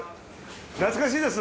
懐かしいです。